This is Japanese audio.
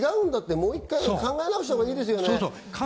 もう１回考え直したほうがいいでそうそう。